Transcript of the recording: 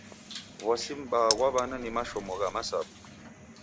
W'asi m'baa ghwa w'ana ni mashomo gha masabu.